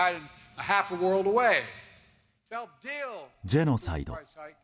ジェノサイド。